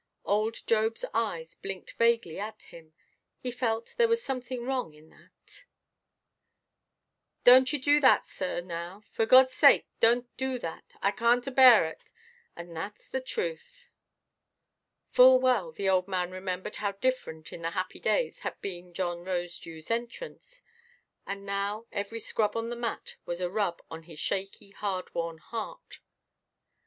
Old Jobʼs eyes blinked vaguely at him: he felt there was something wrong in that. "Donʼt ye do that, sir, now; for Godʼs sake donʼt do that. I canʼt abear it; and thatʼs the truth." Full well the old man remembered how different, in the happy days, had been John Rosedewʼs entrance; and now every scrub on the mat was a rub on his shaky hard–worn heart. Mr.